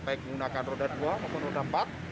baik menggunakan roda dua maupun roda empat